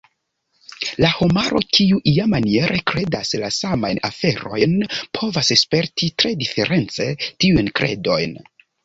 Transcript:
La homaro kiu "iamaniere" kredas la samajn aferojn povas sperti tre diference tiujn kredojn.